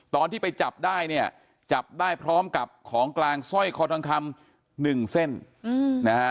ตอนที่ไปจับได้เนี่ยจับได้พร้อมกับของกลางสร้อยคอทองคำหนึ่งเส้นนะฮะ